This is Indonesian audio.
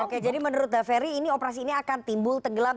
oke jadi menurut daveri ini operasi ini akan timbul tenggelam